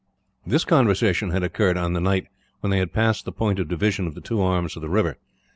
This conversation had occurred on the night when they had passed the point of division of the two arms of the river.